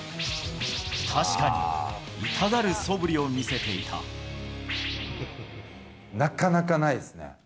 確かに痛がるそぶりを見せてなかなかないですね。